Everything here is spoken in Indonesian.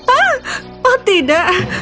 ah ah oh tidak